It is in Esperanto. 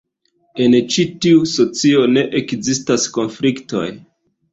En ĉi tiu socio ne ekzistas konfliktoj.